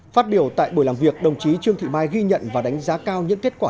phát biểu tại buổi làm việc đồng chí trương thị mai ghi nhận và đánh giá cao những kết quả